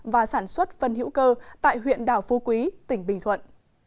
và sản xuất phân hữu cơ tại huyện đảo phu quý tỉnh bình thuận